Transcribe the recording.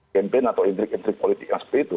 campaign atau intrik intrik politik yang seperti itu